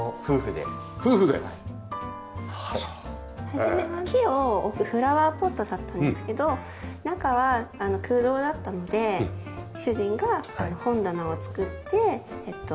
初めは木を置くフラワーポットだったんですけど中は空洞だったので主人が本棚を作ってえっと